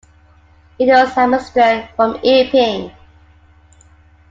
It was administered from Epping.